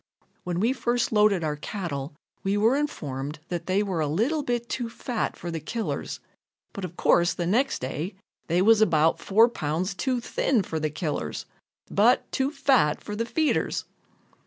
When we first loaded our cattle we were informed that they were a little bit too fat for the killers, but, of course, the next day, they was about four pounds too thin for the killers, but too fat for the feeders.